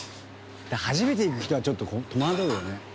初めて行く人はちょっと戸惑うよね。